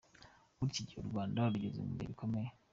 Muri iki gihe u Rwanda rugeze mu bihe bikomeye.